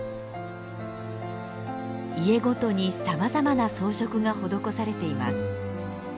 家ごとにさまざまな装飾が施されています。